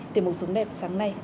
tiếp mục sống đẹp sáng nay